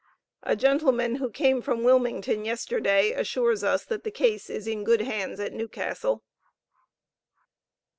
A gentleman who came from Wilmington yesterday, assures us that the case is in good hands at Newcastle.